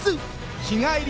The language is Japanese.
日帰り